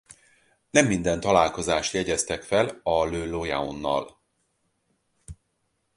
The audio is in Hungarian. Nem minden találkozást jegyeztek fel a Le Loyonnal.